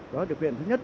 đó là điều kiện thứ nhất